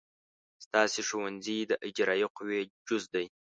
ستاسې ښوونځی د اجرائیه قوې جز دی.